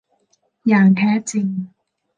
อย่างแท้จริง